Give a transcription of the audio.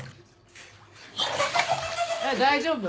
大丈夫？